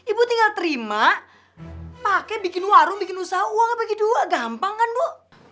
ibu tinggal terima pakai bikin warung bikin usaha uang apa gitu gampang kan bu